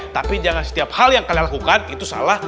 tapi jangan setiap hal yang kalian lakukan itu salah